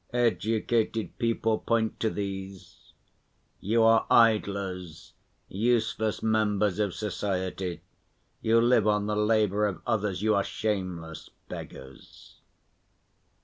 Educated people point to these: "You are idlers, useless members of society, you live on the labor of others, you are shameless beggars."